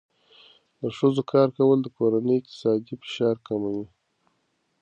د ښځو کار کول د کورنۍ اقتصادي فشار کموي.